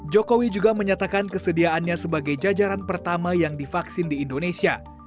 jokowi juga menyatakan kesediaannya sebagai jajaran pertama yang divaksin di indonesia